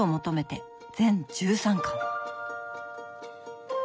全１３巻。